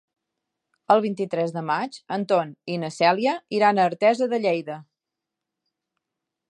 El vint-i-tres de maig en Ton i na Cèlia iran a Artesa de Lleida.